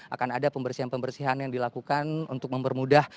akan ada pembersihan pembersihan yang dilakukan untuk mempermudah